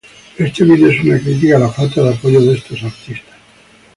Este video es una crítica a la falta de apoyo de estos artistas.